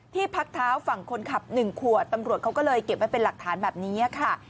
พักเท้าฝั่งคนขับ๑ขวดตำรวจเขาก็เลยเก็บไว้เป็นหลักฐานแบบนี้ค่ะ